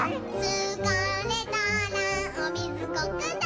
「つかれたらおみずゴックンだ」